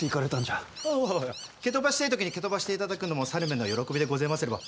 おお蹴飛ばしてぇ時に蹴飛ばしていただくのも猿めの喜びでごぜますれば。